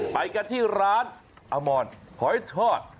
ไปกันที่ร้านอมอนหอยทอด